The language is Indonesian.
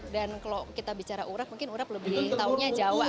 dan kalau kita bicara urap mungkin urap lebih taunya jawa